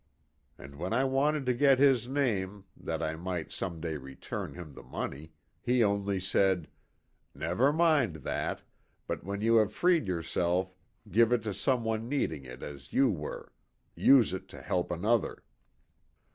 " And when I wanted to get his name, that I might some day return him the money, he only said, ' Never mind that, but when you have freed yourself give it to some one needing it as you were use it to help another.'